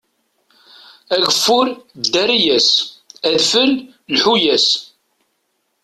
Ageffur, ddari-yas; adfel, lḥu-yas.